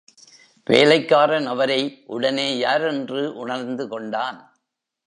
வேலைக்காரன் அவரை உடனே யாரென்று உணர்ந்து கொண்டான்.